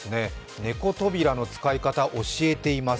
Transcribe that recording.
猫扉の使い方を教えてます。